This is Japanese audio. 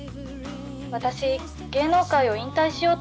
私芸能界を引退しようと思う。